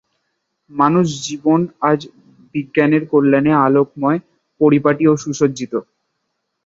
মানুষের জীবন আজ বিজ্ঞানের কল্যাণে আলোকময়, পরিপাটি ও সুসজ্জিত।